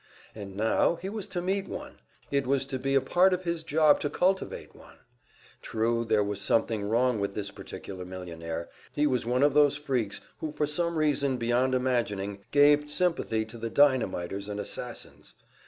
And now he was to meet one; it was to be a part of his job to cultivate one! True, there was something wrong with this particular millionaire he was one of those freaks who for some reason beyond imagining gave their sympathy to the dynamiters and assassins.